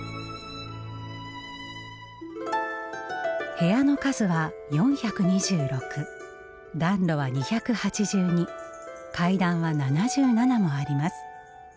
部屋の数は４２６暖炉は２８２階段は７７もあります。